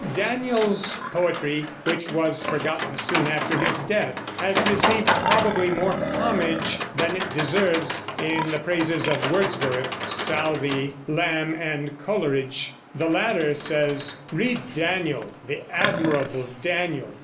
Daniel's poetry, which was forgotten soon after his death, has received probably more homage than it deserves in the praises of Wordsworth, Southey, Lamb, and Coleridge. The latter says: "Read Daniel, the admirable Daniel.